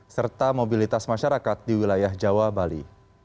serta mobilitas masyarakat di wilayah jawa bali